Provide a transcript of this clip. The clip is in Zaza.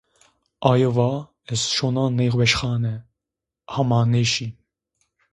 Aye va: "ez şonan nêweşxane." hama nêşi.